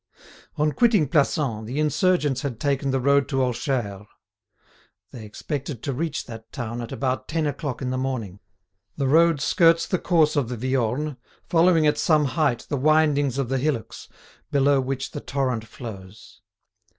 On quitting Plassans, the insurgents had taken the road to Orcheres. They expected to reach that town at about ten o'clock in the morning. The road skirts the course of the Viorne, following at some height the windings of the hillocks, below which the torrent flows.